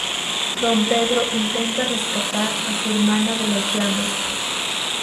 Don Pedro intenta rescatar a su hermana de las llamas.